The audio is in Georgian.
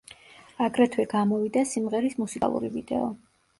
აგრეთვე გამოვიდა სიმღერის მუსიკალური ვიდეო.